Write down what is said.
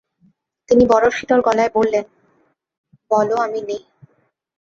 তিনি বরফশীতল গলায় বললেন, বল আমি নেই।